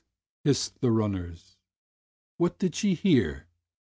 hissed the runners. What did she hear?